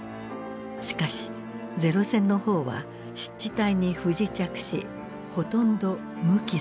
しかし零戦の方は湿地帯に不時着しほとんど無傷だった。